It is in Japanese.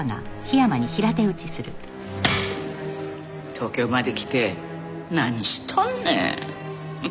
東京まで来て何しとんねん。